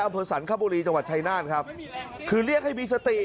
อำเภอสรรคบุรีจังหวัดชายนาฏครับคือเรียกให้มีสติ